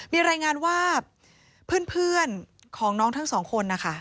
มีรายงานว่าเพื่อนของน้องทั้งสองคนนะคะ